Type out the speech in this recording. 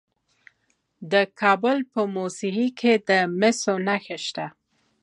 د کابل په موسهي کې د مسو نښې شته.